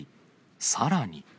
さらに。